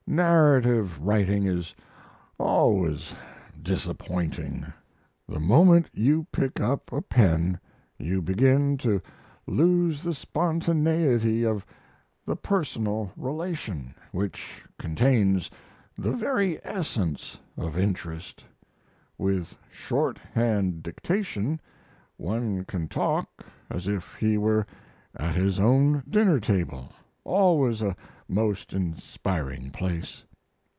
Narrative writing is always disappointing. The moment you pick up a pen you begin to lose the spontaneity of the personal relation, which contains the very essence of interest. With shorthand dictation one can talk as if he were at his own dinner table always a most inspiring place.